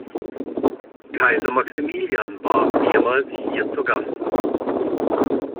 Kaiser Maximilian war mehrmals hier zu Gast.